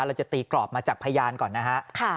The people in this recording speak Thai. เราจะตีกรอบมาจากพยานก่อนนะฮะ